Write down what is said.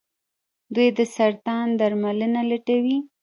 دوی د سرطان درملنه لټوي.